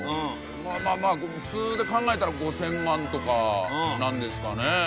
まあまあまあ普通で考えたら５０００万とかなんですかね